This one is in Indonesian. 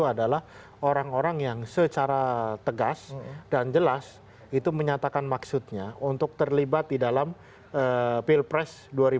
adalah orang orang yang secara tegas dan jelas itu menyatakan maksudnya untuk terlibat di dalam pilpres dua ribu sembilan belas